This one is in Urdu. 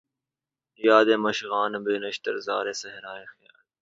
یادِ مژگاں بہ نشتر زارِ صحراۓ خیال